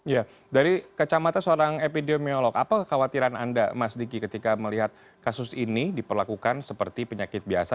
ya dari kacamata seorang epidemiolog apa kekhawatiran anda mas diki ketika melihat kasus ini diperlakukan seperti penyakit biasa